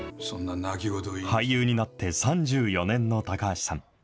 俳優になって３４年の高橋さん。